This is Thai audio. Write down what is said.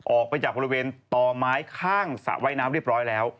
ออกไปจากบริเวณต่อไม้ข้างสระว่ายน้ำเรียบร้อยแล้ว